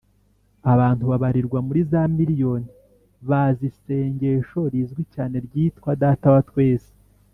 Abantu babarirwa muri za miriyoni bazi isengesho rizwi cyane ryitwa Data wa twese